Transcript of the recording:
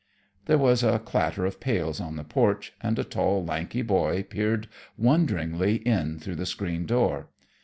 There was a clatter of pails on the porch, and a tall, lanky boy peered wonderingly in through the screen door.